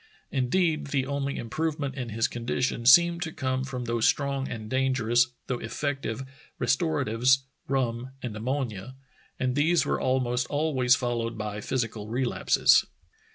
Indeed, the only improvement in his condition seemed to come from those strong and dangerous, though effective, restoratives, rum and am monia, and these were almost always followed by phys ical relapses.